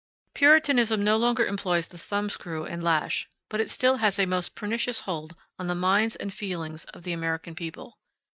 Puritanism no longer employs the thumbscrew and lash; but it still has a most pernicious hold on the minds and feelings of the American people.